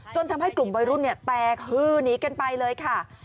ทำให้กลุ่มวัยรุ่นแตกฮือหนีกันไปเลยค่ะ